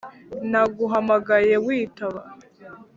naguhamagaye witaba